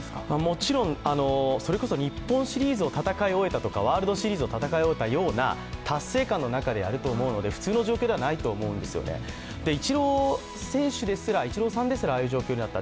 もちろん、それこそ日本シリーズを戦い終えたとかワールドシリーズを戦い終えたような達成感の中でやるので普通の状況ではないと思うんですよね、イチローさんですらああいう状況になった。